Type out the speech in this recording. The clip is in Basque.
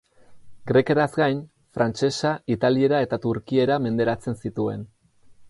Grekeraz gain, frantsesa, italiera eta turkiera menderatzen zituen.